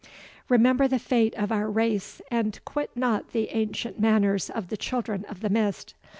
Remember the fate of our race, and quit not the ancient manners of the Children of the Mist.